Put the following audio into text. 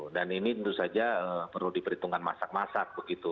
dan ini tentu saja perlu diperhitungkan masak masak begitu